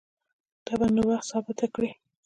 دا به نو وخت ثابته کړي